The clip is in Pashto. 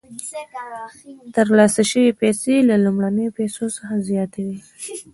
ترلاسه شوې پیسې له لومړنیو پیسو څخه زیاتې وي